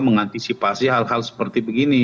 mengantisipasi hal hal seperti begini